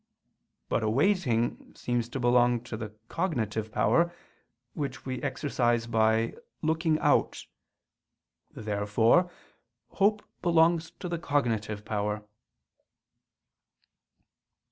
But awaiting seems to belong to the cognitive power, which we exercise by looking out. Therefore hope belongs to the cognitive power.